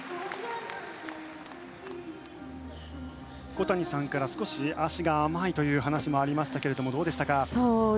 小谷さんから少し脚が甘いという話もありましたけれどもどうでしたか。